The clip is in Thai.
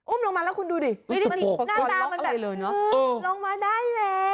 อุ่มลงมาแล้วคุณดูดิหน้าน่ามันลงมันได้